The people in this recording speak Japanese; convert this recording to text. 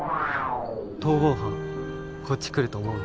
逃亡犯こっち来ると思う？